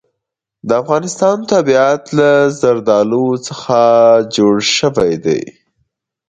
د افغانستان طبیعت له زردالو څخه جوړ شوی دی.